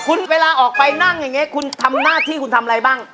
คุณเวลาออกไปนั่งอย่างนี้คุณทำหน้าที่คุณทำอะไรบ้าง